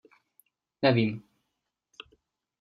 Nevím.